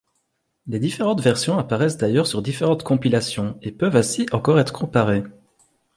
Les différentes versions apparaissent d'ailleurs sur différentes compilations et peuvent ainsi encore être comparées.